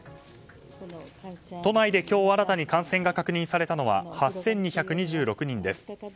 都内で今日新たに感染が確認されたのは８２２６人です。